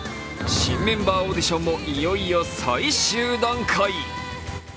新メンバーオーディションもいよいよ最終段階。